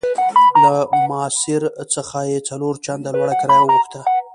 له ماسیر څخه یې څلور چنده لوړه کرایه غوښته.